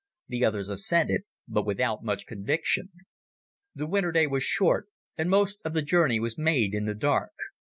The others assented, but without much conviction. The winter day was short, and most of the journey was made in the dark.